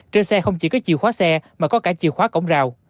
trên xe không chỉ có chìa khóa xe mà có cả chiều khóa cổng rào